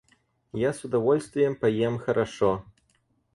Я с удовольствием поем хорошо.